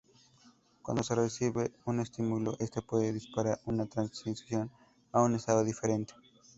Cuando se recibe un estímulo, este puede disparar una transición a un estado diferente.